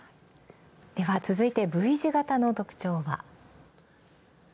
続いてＶ字型の特徴は。